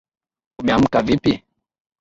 Umeamka vipi?